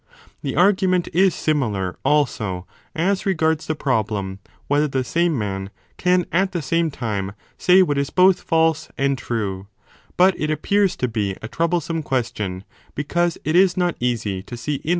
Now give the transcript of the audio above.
The argument is similar, also, as regards the problem whether the same man can at the same time say what is both false and true : but it appears to be a troublesome question because it is not easy to see in which 1 Cf.